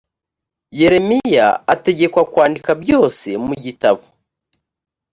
yeremiya ategekwa kwandika byose mu gitabo